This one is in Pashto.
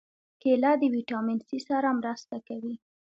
کېله د ویټامین C سره مرسته کوي.